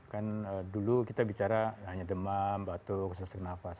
kan dulu kita bicara hanya demam batuk sesak nafas